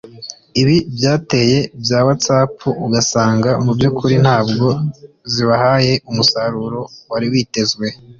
Ibi byateye bya whatsApp ugasanga mu byukuri ntabwo zibahaye umusaruro wari witezwe